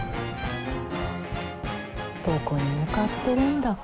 どこに向かってるんだか。